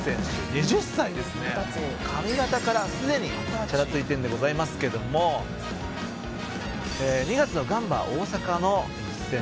「二十歳」「髪形からすでにチャラついているんでございますけども２月のガンバ大阪の一戦ですね」